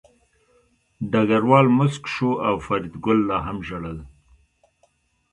ډګروال موسک شو او فریدګل لا هم ژړل